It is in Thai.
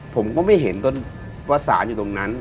ผมก็ไม่เห็นต้นว่าสารอยู่ตรงนั้น